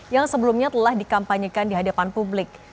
yang sebelumnya telah dikampanyekan di hadapan publik